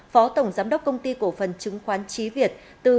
phó tổng giám đốc công ty cổ phần chứng khoán trí việt